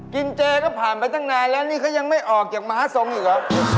กินเจต้องผ่านไปตั้งนานแล้วนี่เขายังไม่ออกอย่างมหาสงฆ์อยู่เหรอ